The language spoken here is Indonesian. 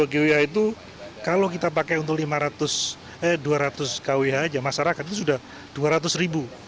empat ratus enam puluh dua gwh itu kalau kita pakai untuk dua ratus kwh saja masyarakat itu sudah dua ratus ribu